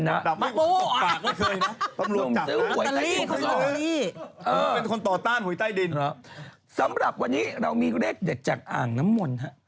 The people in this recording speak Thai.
ธรรมดินสำหรับวันนี้เรามีเลขเด็กอ่างน้ำมลฮะ